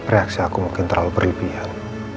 reaksi aku mungkin terlalu berlebihan